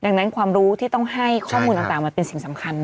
ดังนั้นความรู้ที่ต้องให้ข้อมูลต่างมันเป็นสิ่งสำคัญ